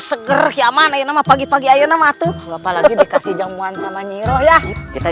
segera manajemen pagi pagi ayo nama tuh apalagi dikasih jamuan sama nyiroh ya kita